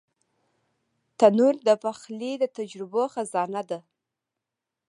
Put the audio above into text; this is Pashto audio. تنور د پخلي د تجربو خزانه ده